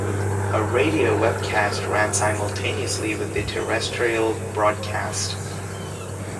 A radio webcast ran simultaneously with the terrestrial broadcast.